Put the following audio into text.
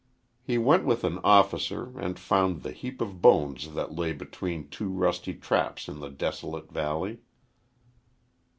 He went with an officer and found the heap of bones that lay between two rusty traps in the desolate valley.